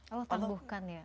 allah tambuhkan ya